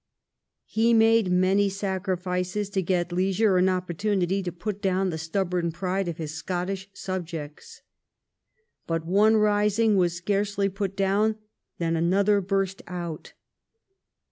He made many sacrifices to get leisure and opportunity to put down the stubborn pride of his Scottish subjects. But one rising was scarcely put down than another burst out.